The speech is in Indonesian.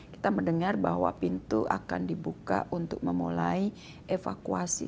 kita mendengar bahwa pintu akan dibuka untuk memulai evakuasi